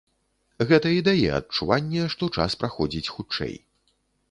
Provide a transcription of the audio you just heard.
Гэта і дае адчуванне, што час праходзіць хутчэй.